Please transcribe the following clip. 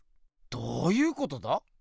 どういうことだ？